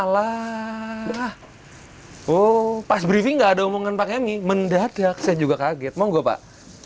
lho pas briefing enggak ada omongan pakai mendadak saya juga kaget mau gue pak